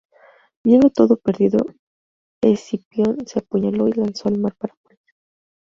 Viendo todo perdido, Escipión se apuñaló y lanzó al mar para morir.